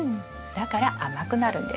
だから甘くなるんです。